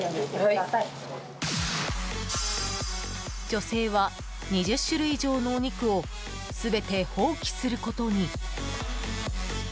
女性は２０種類以上のお肉を全て放棄することに。